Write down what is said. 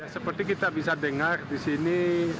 seperti kita bisa dengar di sini